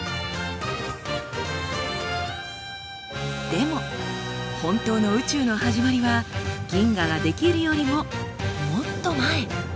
でも本当の宇宙の始まりは銀河が出来るよりももっと前。